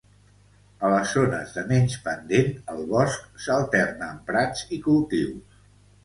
A les zones de menys pendent, el bosc s'alterna amb prats i cultius.